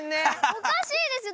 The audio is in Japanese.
おかしいでしょ